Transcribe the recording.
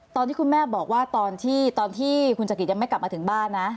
ตอนที่คุณแม่บอกว่าตอนที่คุณจักริตยังไม่กลับมาถึงบ้านนะ